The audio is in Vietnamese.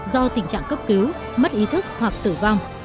do tình trạng cấp cứu mất ý thức hoặc tử vong